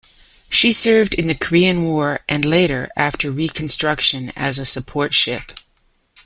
She served in the Korean War and later, after reconstruction, as a support ship.